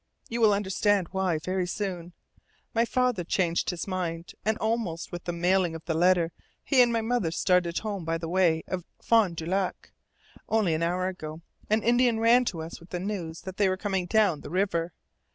You will understand why very soon. But my father changed his mind, and almost with the mailing of the letter he and my mother started home by way of Fond du Lac. Only an hour ago an Indian ran to us with the news that they were coming down the river.